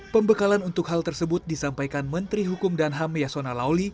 pembekalan untuk hal tersebut disampaikan menteri hukum dan ham yasona lauli